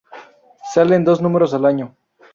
Salen dos números al año.